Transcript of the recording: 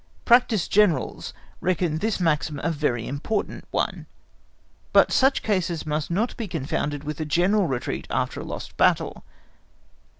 Practised Generals reckon this maxim a very important one. But such cases must not be confounded with a general retreat after a lost battle.